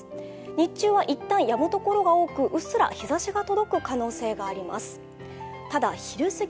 日中はいったんやむ所が多く、うっすら日ざしが届く可能性があります。